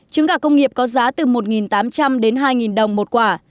trứng gà công nghiệp có giá từ một tám trăm linh đến hai đồng một quả